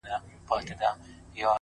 توره مي تر خپلو گوتو وزي خو ـ